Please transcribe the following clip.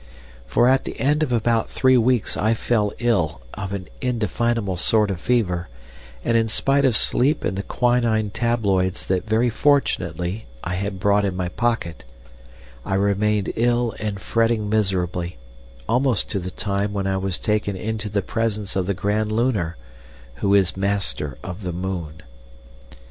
For at the end of about three weeks I fell ill of an indefinable sort of fever, and in spite of sleep and the quinine tabloids that very fortunately I had brought in my pocket, I remained ill and fretting miserably, almost to the time when I was taken into the presence of the Grand Lunar, who is Master of the Moon.